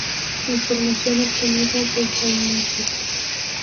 Información obtenida de Allmusic.